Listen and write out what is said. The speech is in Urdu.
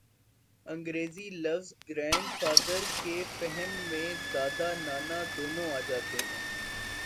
انگریزی لفظ گرینڈ فادر کے فہم میں دادا، نانا دونوں آ جاتے ہیں۔